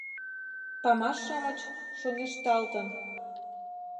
Памаш-шамыч, шоҥешталтын